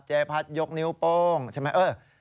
พัดยกนิ้วโป้งใช่ไหม